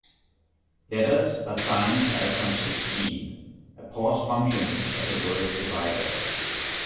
Letters are signed at a constant speed; a pause functions as a word divider.